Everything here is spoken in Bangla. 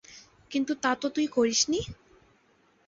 কিন্তু তা তো তুই করিসনি?